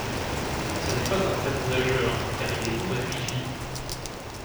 Ce n'est pas un très bon nageur, car il est lourd et rigide.